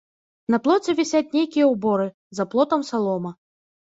На плоце вісяць нейкія ўборы, за плотам салома.